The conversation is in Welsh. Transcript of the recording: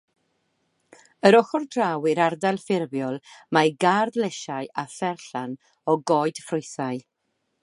Yr ochr draw i'r ardal ffurfiol mae gardd lysiau a pherllan o goed ffrwythau.